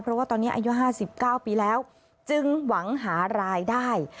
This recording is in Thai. เพราะว่าตอนนี้อายุ๕๙ปีแล้วจึงหวังหารายได้